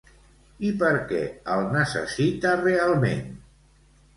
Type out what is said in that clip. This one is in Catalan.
I per què el necessita realment?